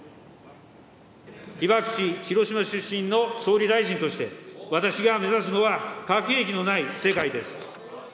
被爆地、広島出身の総理大臣として、私が目指すのは、核兵器のない世界です。